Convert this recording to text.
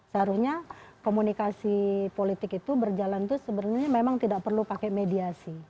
seharusnya komunikasi politik itu berjalan itu sebenarnya memang tidak perlu pakai mediasi